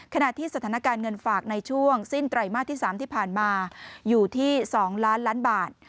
ขณะที่สถานการณ์เงินฝากในช่วงสิ้นไตรมาสที่๓ที่ผ่านมาอยู่ที่๒ล้านล้านบาท